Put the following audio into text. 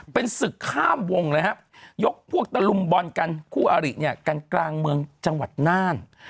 เป็นศึกข้ามวงเลยครับยกพวกตะลุมบอลกันคู่อาริเนี่ยกันกลางเมืองจังหวัดน่าน